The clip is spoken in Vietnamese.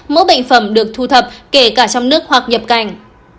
mẫu bệnh phẩm được thu thập kể cả trong nước hoặc nhập cảnh